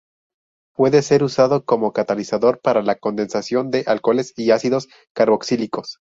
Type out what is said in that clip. Puede ser usado como catalizador para la condensación de alcoholes y ácidos carboxílicos.